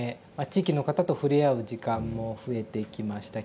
地域の方と触れ合う時間も増えていきました